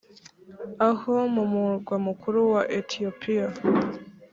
aho mu murwa mukuru wa etiyopiya,